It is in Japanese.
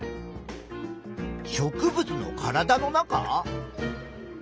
植物の体の中？